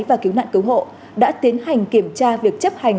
và cứu nạn cứu hộ đã tiến hành kiểm tra việc chấp hành